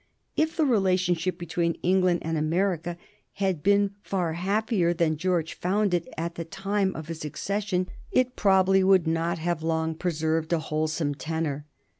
If the relationship between England and America had been far happier than George found it at the time of his accession, it probably would not long have preserved a wholesome tenor.